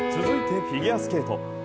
続いてフィギュアスケート。